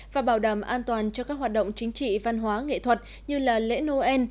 và bảo đảm an toàn cho các hoạt động chính trị văn hóa nghệ thuật như lễ noel